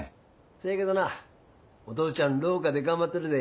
せやけどなお父ちゃん廊下で頑張ってるで。